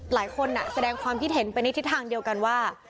หลายคนน่ะแสดงความที่เห็นเป็นนิทิศทางเหลียวกันว่า